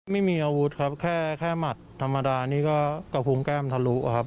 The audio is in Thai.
ไม่มีอาวุธครับแค่หมัดธรรมดานี่ก็กระพุงแก้มทะลุครับ